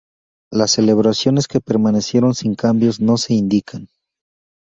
Las celebraciones que permanecieron sin cambios no se indican.